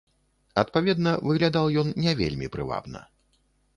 Адпаведна, выглядаў ён не вельмі прывабна.